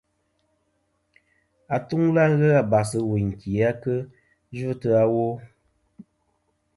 Atuŋlɨ ghɨ abas ɨ wuyn ki a kɨ yvɨtɨ awo.